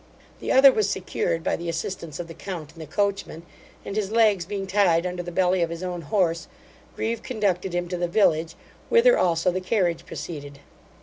The other was secured by the assistance of the count and the coachman; and his legs being tied under the belly of his own horse, Grieve conducted him to the village, whither also the carriage proceeded.